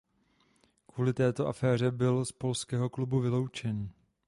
Kvůli této aféře byl z Polského klubu vyloučen.